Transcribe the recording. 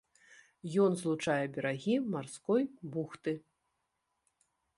Ён злучае берагі марской бухты.